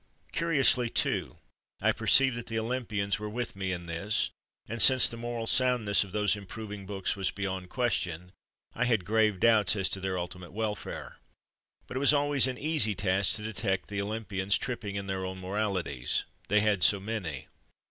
Curiously, too, I perceived that the Olym pians were with me in this, and since the moral soundness of those improving books was beyond question, I had grave doubts as to their ultimate welfare. But it was always an easy task to detect the Olympians tripping in their own moralities ; they had so many.